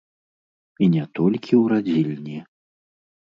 І не толькі ў радзільні.